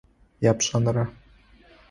Япшӏэнэрэ.